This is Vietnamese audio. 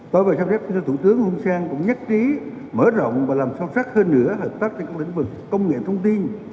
tối về sắp đếp thủ tướng nguyễn xuân phúc cũng nhất trí mở rộng và làm sâu sắc hơn nữa hợp tác trên các lĩnh vực công nghệ thông tin